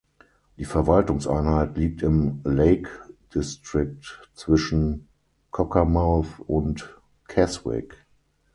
Die Verwaltungseinheit liegt im Lake District zwischen Cockermouth und Keswick.